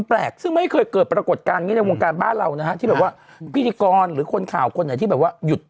แปลกซึ่งไม่เคยเกิดปรากฏการณ์นี้ในวงการบ้านเรานะฮะที่แบบว่าพิธีกรหรือคนข่าวคนไหนที่แบบว่าหยุด